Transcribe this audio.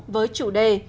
với chủ đề